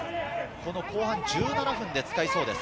後半１７分で使いそうです。